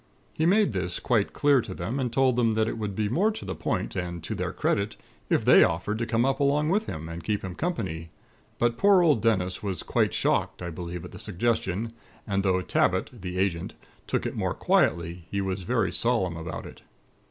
He made this quite clear to them, and told them that it would be more to the point and to their credit, if they offered to come up along with him, and keep him company. But poor old Dennis was quite shocked, I believe, at the suggestion; and though Tabbit, the Agent, took it more quietly, he was very solemn about it.